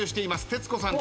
徹子さん